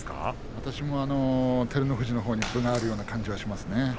私も照ノ富士に分があるような感じがしますね。